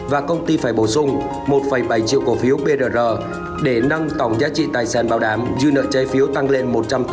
và công ty phải bổ sung một bảy triệu cổ phiếu brr để nâng tổng giá trị tài sản bảo đảm dư nợ trái phiếu tăng lên một trăm tám mươi